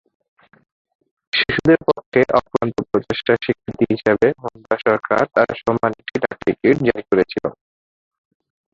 শিশুদের পক্ষে অক্লান্ত প্রচেষ্টার স্বীকৃতি হিসাবে হন্ডুরাস সরকার তার সম্মানে একটি ডাকটিকিট জারি করেছিল।